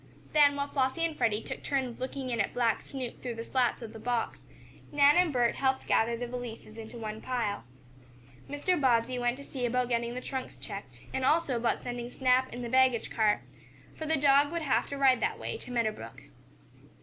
Then, while Flossie and Freddie took turns looking in at black Snoop through the slats of the box, Nan and Bert helped gather the valises into one pile. Mr. Bobbsey went to see about getting the trunks checked, and also about sending Snap in the baggage car, for the dog would have to ride that way to Meadow Brook.